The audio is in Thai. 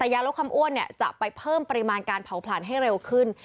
แต่ยาลดความอ้วนจะไปเพิ่มปริมาณการเผาผลันให้เร็วขึ้น